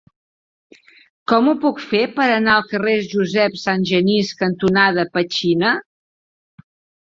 Com ho puc fer per anar al carrer Josep Sangenís cantonada Petxina?